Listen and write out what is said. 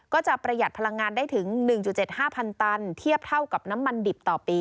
ประหยัดพลังงานได้ถึง๑๗๕๐๐ตันเทียบเท่ากับน้ำมันดิบต่อปี